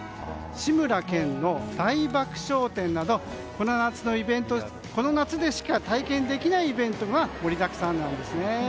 志村けんの大爆笑展などこの夏でしか体験できないイベントが盛りだくさんなんですね。